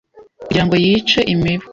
kugira ngo yice imibu,